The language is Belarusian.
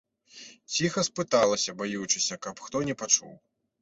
Ціха спыталася, баючыся, каб хто не пачуў.